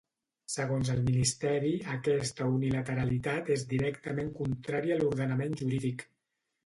Segons el ministeri, aquesta unilateralitat és directament contrària a l’ordenament jurídic.